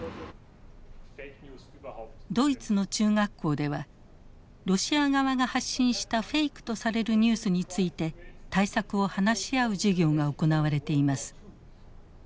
ドイツの中学校ではロシア側が発信したフェイクとされるニュースについて対策を話し合う授業が行われています。